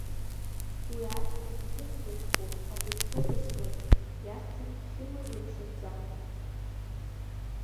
Уи ашьҭахь иҭыҵыз ишәҟәы ахәыҷқәа ирызкын, иахьӡын Хьыма лымшынҵа.